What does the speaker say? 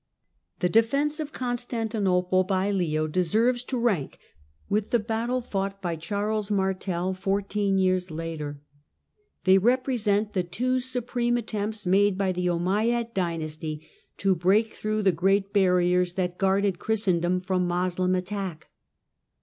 The defence of Constantinople by Leo deserves to rank with the battle fought by Charles Martel fourteen years later. They represent the two supreme attempts made by the Ommeyad dynasty to break through the great barriers that guarded Christendom from Moslem attack.